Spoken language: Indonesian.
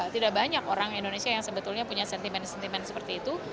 tidak banyak orang indonesia yang sebetulnya punya sentimen sentimen seperti itu